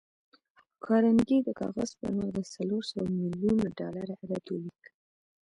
کارنګي د کاغذ پر مخ د څلور سوه ميليونه ډالر عدد وليکه.